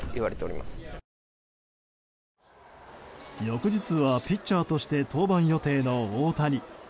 翌日はピッチャーとして登板予定の大谷。